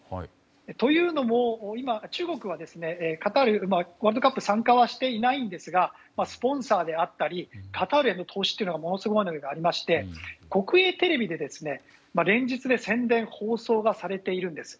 というのも、今、中国はカタールワールドカップに参加はしていないんですがスポンサーであったりカタールへの投資というのがものすごいものがありまして国営テレビで、連日宣伝・放送がされているんです。